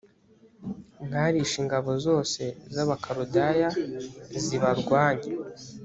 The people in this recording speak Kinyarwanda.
mwarishe ingabo zose z abakaludaya zibarwanya